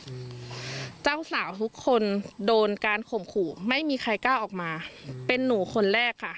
เจ้าสาวทุกคนโดนการข่มขู่ไม่มีใครกล้าออกมาเป็นหนูคนแรกค่ะ